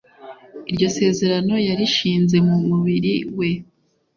iryo sezerano yarishinze mu mubiri we